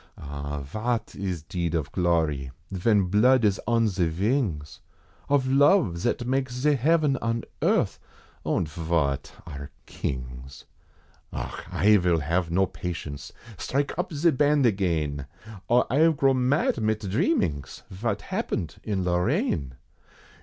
Ah vot is deed of glory, ven blood is on ze vings Of love, zat makes ze heaven on earth, und vot are kings? Auch! I vill have no patience. Strike up ze Band again, Or I grow mad mit dhreamings, vot happened in Lorraine!